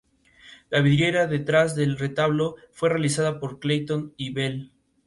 La vidriera detrás del retablo fue realizada por Clayton y Bell.